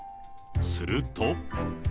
すると。